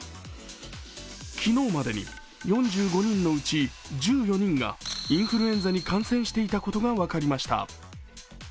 昨日までに４５人のうち１４人がインフルエンザに感染していたことが分かりました。